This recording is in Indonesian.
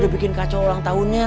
udah bikin kacau ulang tahunnya